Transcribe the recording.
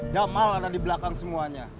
jamal ada di belakang semuanya